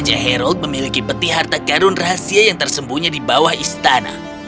raja harald memiliki peti harta garun rahasia yang tersembunyi di bawah istriku